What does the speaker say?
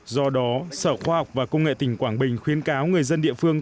do đó sở khoa học và công nghệ tỉnh quảng bình khuyến cáo người dân địa phương